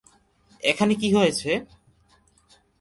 এখানে কী হয়েছে?